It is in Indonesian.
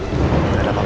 nggak ada apa apa